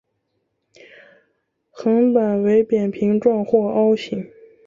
横板为扁平状或凹形。